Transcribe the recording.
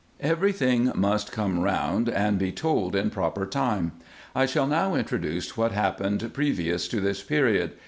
Every thing must come round, and be told in proper time. I shall now introduce what happened previous to this period.